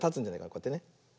こうやってね。